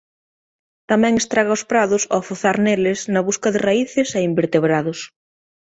Tamén estraga os prados ó fozar neles na busca de raíces e invertebrados.